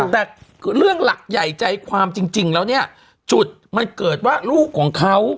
แต่เรื่องหลักใหญ่ใจความจริงแล้วเนี่ยจุดมันเกิดว่าลูกของเขา